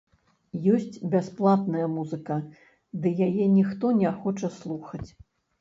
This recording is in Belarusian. Ёсць бясплатная музыка, ды яе ніхто не хоча слухаць.